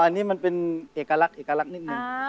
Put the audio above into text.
อันนี้มันเป็นเอกลักษณ์นิดหนึ่ง